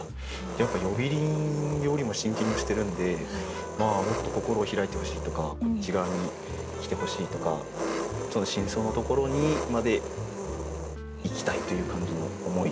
やっぱり呼び鈴よりも真剣に押してるんでもっと心を開いてほしいとかこっち側に来てほしいとかその深層のところにまで行きたいという感じの思い。